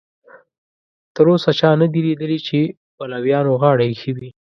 تر اوسه چا نه دي لیدلي چې پلویانو غاړه ایښې وي.